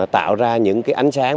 tạo ra những ánh sáng